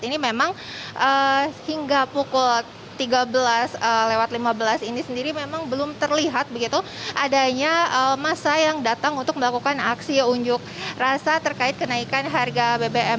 ini memang hingga pukul tiga belas lima belas ini sendiri memang belum terlihat begitu adanya masa yang datang untuk melakukan aksi unjuk rasa terkait kenaikan harga bbm